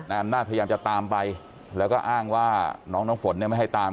อำนาจพยายามจะตามไปแล้วก็อ้างว่าน้องน้ำฝนเนี่ยไม่ให้ตาม